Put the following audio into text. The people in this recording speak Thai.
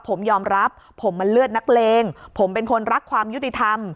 ผมยอมรับผมมันเลือดนักเลงผมเป็นคนรักความยุติธรรม